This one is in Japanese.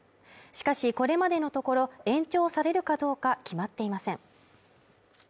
しかしこれまでのところ延長されるかどうか決まっていません。